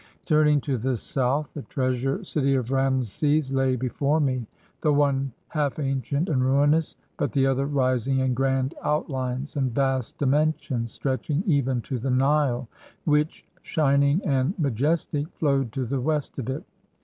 Turning to the south, the treasure city of Raamses lay before me, the one half ancient and ruinous, but the other rising in grand outlines and vast dimensions, stretching even to the Nile, which, shining and majestic, flowed to the west of it.